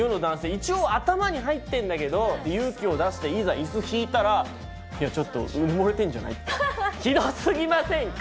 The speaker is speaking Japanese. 一応頭に入ってんだけど勇気を出していざイス引いたら「ちょっとうぬぼれてんじゃない」ってひど過ぎませんか。